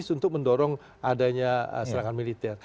untuk mendorong adanya serangan militer